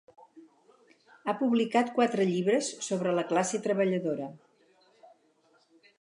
Ha publicat quatre llibres sobre la classe treballadora.